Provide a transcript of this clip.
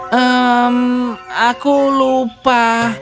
hmm aku lupa